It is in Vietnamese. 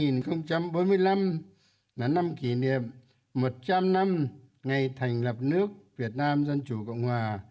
năm một nghìn chín trăm bốn mươi năm là năm kỷ niệm một trăm linh năm ngày thành lập nước việt nam dân chủ cộng hòa